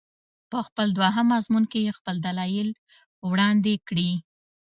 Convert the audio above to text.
په خپل دوهم مضمون کې یې خپل دلایل وړاندې کړي.